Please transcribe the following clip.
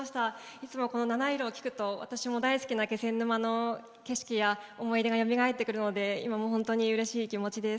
いつもこの「なないろ」を聴くと私も大好きな気仙沼の景色や思い出がよみがえってくるので今も本当にうれしい気持ちです。